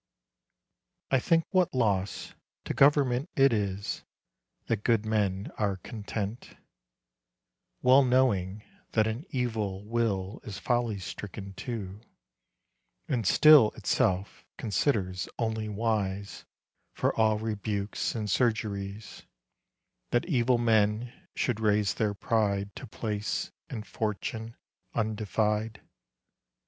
I think what loss to government It is that good men are content, Well knowing that an evil will Is folly stricken too, and still Itself considers only wise For all rebukes and surgeries, That evil men should raise their pride To place and fortune undefied.